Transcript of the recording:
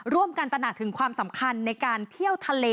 ตระหนักถึงความสำคัญในการเที่ยวทะเล